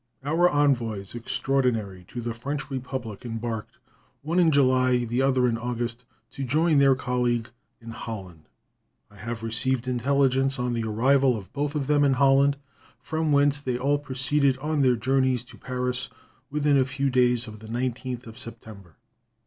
Our envoys extraordinary to the French Republic embarked one in July, the other in August to join their colleague in Holland. I have received intelligence of the arrival of both of them in Holland, from whence they all proceeded on their journeys to Paris within a few days of the 19th of September.